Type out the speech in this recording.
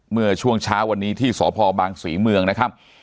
เมื่อช่วงเช้าวันนี้ที่สพบางศรีเมืองนะครับ